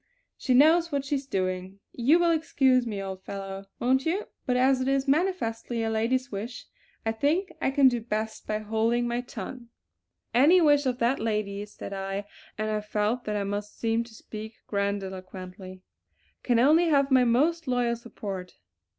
She knows what she's doing. You will excuse me, old fellow, won't you; but as it is manifestly a lady's wish, I think I can do best by holding my tongue." "Any wish of that lady's," said I, and I felt that I must seem to speak grandiloquently, "can only have my most loyal support."